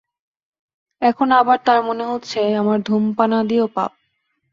এখন আবার তাঁর মনে হচ্ছে, আমার ধূমপানাদিও পাপ।